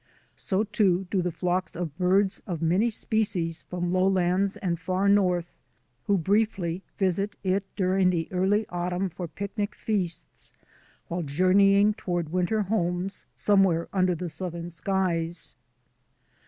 So, too, do the flocks of birds of many species from lowlands and far north who briefly visit it during the early autumn for picnic feasts while journeying toward winter homes somewhere under southern skies.